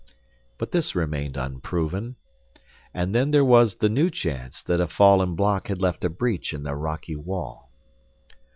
But this remained unproven. And then there was the new chance that a fallen block had left a breach in the rocky wall.